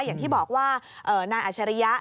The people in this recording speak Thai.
อย่างที่บอกว่านายอัชริยะ